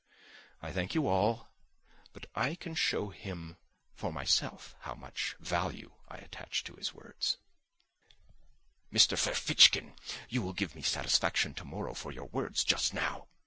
"I thank you all, but I can show him for myself how much value I attach to his words." "Mr. Ferfitchkin, you will give me satisfaction tomorrow for your words just now!"